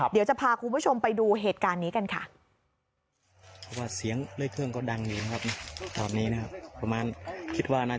เดี๋ยวจะพาคุณผู้ชมไปดูเหตุการณ์นี้กันค่ะ